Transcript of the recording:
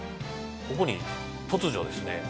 ここに突如ですね